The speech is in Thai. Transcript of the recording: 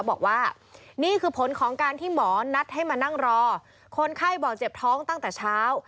บอกว่านี่คือผลของการที่หมอนัดให้มานั่งรอคนไข้บอกเจ็บท้องตั้งแต่เช้า